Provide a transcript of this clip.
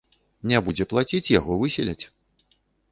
Не будзе плаціць, яго выселяць.